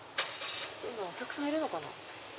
今お客さんいるのかな？